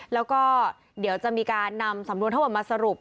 แล้วก็เดี๋ยวจะมีการนำสำนวนทั้งหมดมาสรุป